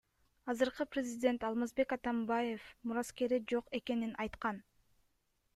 Азыркы президент Алмазбек Атамбаев мураскери жок экенин айткан.